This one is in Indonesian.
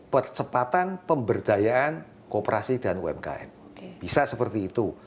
percepatan pemberdayaan kooperasi dan umkm bisa seperti itu